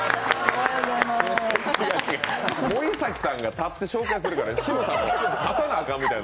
森崎さんが立って紹介するから、シムさんも立たなあかんみたいな。